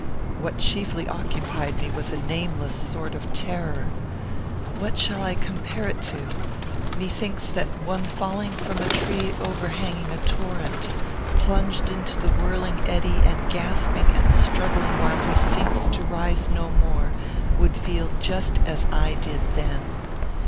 What chiefly occupied me was a nameless sort of terror. What shall I compare it to? Methinks, that one falling from a tree overhanging a torrent, plunged into the whirling eddy, and gasping and struggling while he sinks to rise no more, would feel just as I did then.